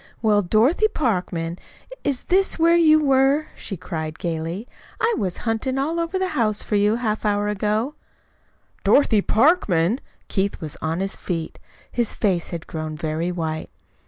"Well, Dorothy Parkman, is this where you were?" she cried gayly. "I was hunting all over the house for you half an hour ago." "DOROTHY PARKMAN!" Keith was on his feet. His face had grown very white.